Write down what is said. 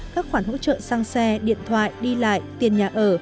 các khoản hỗ trợ sang xe điện thoại đi lại tiền nhà ở